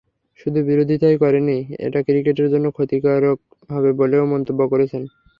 শুধু বিরোধিতাই করেননি, এটা ক্রিকেটের জন্য ক্ষতিকারক হবে বলেও মন্তব্য করেছেন।